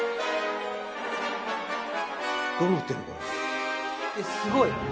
すごい。